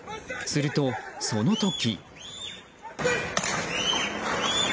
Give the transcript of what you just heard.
すると、その時。